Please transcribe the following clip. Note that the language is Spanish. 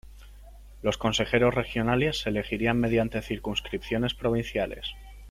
Los consejeros regionales se elegirán mediante circunscripciones provinciales.